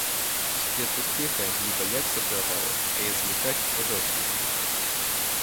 Секрет успеха - не бояться провалов, а извлекать уроки из них.